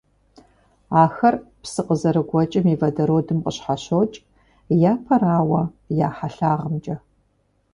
Ахэр псы къызэрыгуэкӀым и водородым къыщхьэщокӀ, япэрауэ, я хьэлъагъымкӀэ.